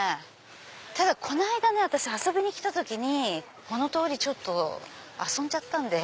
ただこの間遊びに来た時にこの通り遊んじゃったんで。